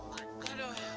daganganku jadi ancur